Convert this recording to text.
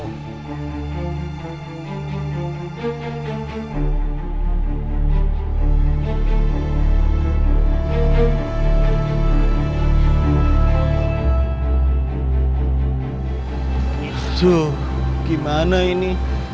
semua menggembalikan batu yang mereka beli